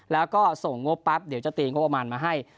แล้วก็ส่งงบปั๊บเดี๋ยวจะตีงบประมาณมาให้